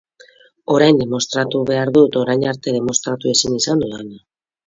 Orain demostratu behar dut orain arte demostratu ezin izan dudana.